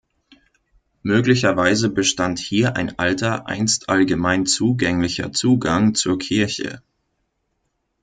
Möglicherweise bestand hier ein alter, einst allgemein zugänglicher Zugang zur Kirche.